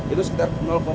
itu sekitar dua puluh tiga